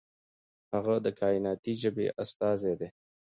هغه د کائناتي ژبې استازی دی.